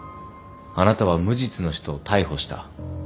あなたは無実の人を逮捕した。